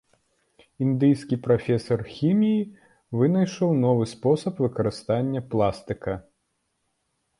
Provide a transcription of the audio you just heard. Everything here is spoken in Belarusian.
Індыйскі прафесар хіміі вынайшаў новы спосаб выкарыстання пластыка.